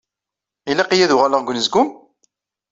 Ilaq-iyi ad uɣaleɣ deg unezgum?